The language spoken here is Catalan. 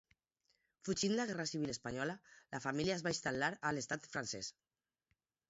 Fugint la guerra civil espanyola, la família es va instal·lar a l'estat francès.